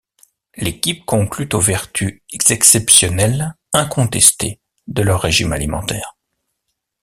L'équipe conclut aux vertus exceptionnelles incontestées de leur régime alimentaire.